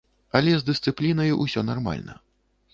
Але з дысцыплінай усё нармальна.